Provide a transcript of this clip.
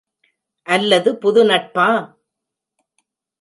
அல்லது புது நட்பா?